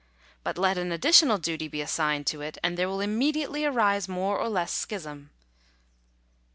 But let an additional duty be as signed to it, and there will immediately arise more or less schism.